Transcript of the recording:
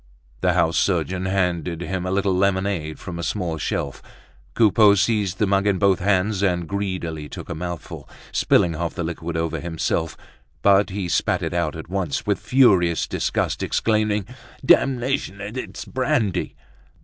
The house surgeon handed him a little lemonade from a small shelf; Coupeau seized the mug in both hands and greedily took a mouthful, spilling half the liquid over himself; but he spat it out at once with furious disgust, exclaiming: "Damnation! It's brandy!"